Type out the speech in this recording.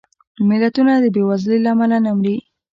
ملتونه د بېوزلۍ له امله نه مري